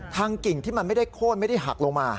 กิ่งที่มันไม่ได้โค้นไม่ได้หักลงมา